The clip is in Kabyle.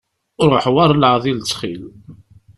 Ruḥ war leεḍil, ttxil.